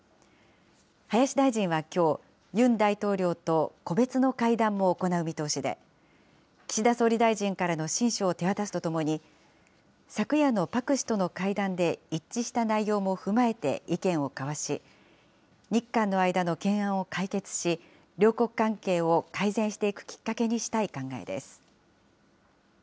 林大臣はきょう、ユン大統領と個別の会談も行う見通しで、岸田総理大臣からの親書を手渡すとともに、昨夜のパク氏との会談で一致した内容も踏まえて意見を交わし、日韓の間の懸案を解決し、両国関係を改善していくきっかけにしたい考えです。